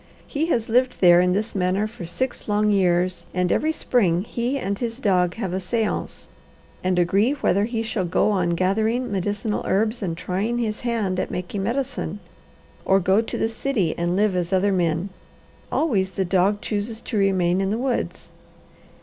He has lived there in this manner for six long years, and every spring he and his dog have a seance and agree whether he shall go on gathering medicinal herbs and trying his hand at making medicine or go to the city and live as other men. Always the dog chooses to remain in the woods.